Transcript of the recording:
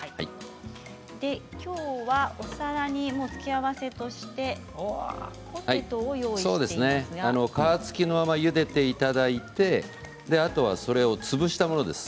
今日はお皿にもう付け合わせとして皮付きのままゆでていただいてあとは、それを潰したものです。